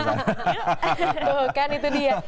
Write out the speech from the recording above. tuh kan itu dia